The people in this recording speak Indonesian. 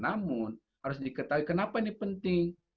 namun harus diketahui kenapa ini penting